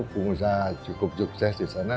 pengusaha cukup sukses di sana